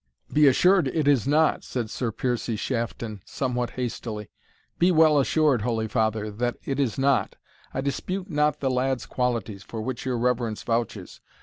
"Be assured it is not," said Sir Piercie Shafton, something hastily; "be well assured, holy father, that it is not. I dispute not the lad's qualities, for which your reverence vouches.